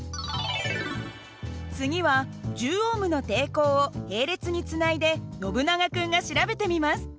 次は１０Ωの抵抗を並列につないでノブナガ君が調べてみます。